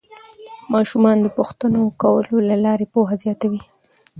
ماشومان د پوښتنو کولو له لارې پوهه زیاتوي